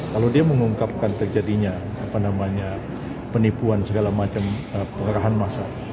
kalau dia mengungkapkan terjadinya penipuan segala macam pengerahan massa